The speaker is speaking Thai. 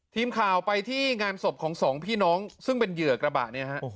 ทีมข่าวไปที่งานศพของสองพี่น้องซึ่งเป็นเหยื่อกระบะเนี่ยฮะ